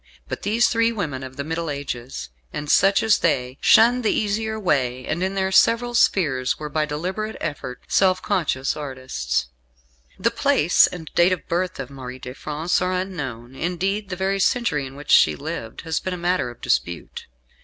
But these three women of the Middle Ages and such as they shunned the easier way, and, in their several spheres, were by deliberate effort, self conscious artists. The place and date of birth of Marie de France are unknown indeed the very century in which she lived has been a matter of dispute.